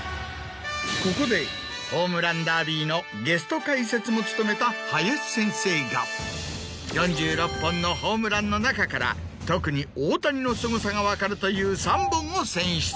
ここでホームランダービーのゲスト解説も務めた林先生が４６本のホームランの中から特に大谷のすごさが分かるという３本を選出。